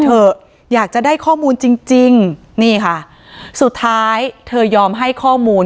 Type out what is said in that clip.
เถอะอยากจะได้ข้อมูลจริงจริงนี่ค่ะสุดท้ายเธอยอมให้ข้อมูล